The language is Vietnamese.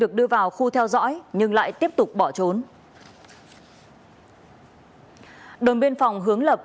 của thị trường